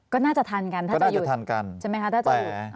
ก็น่าจะทันกันถ้าจะหยุดทันกันใช่ไหมคะถ้าจะหยุด